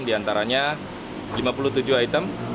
di antaranya lima puluh tujuh item dua belas